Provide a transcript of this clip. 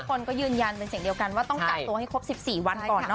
คนก็ยืนยันเป็นเสียงเดียวกันว่าต้องกักตัวให้ครบ๑๔วันก่อนเนอ